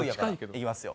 いきますよ。